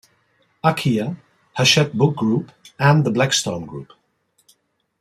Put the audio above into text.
Acquia, Hachette Book Group and The Blackstone Group.